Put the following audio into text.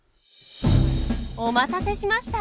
お待たせしました！